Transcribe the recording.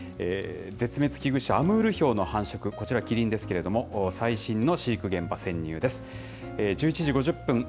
絶滅危惧種、アムールヒョウの繁殖、こちらキリンですけれども、最新の飼育現場潜入です。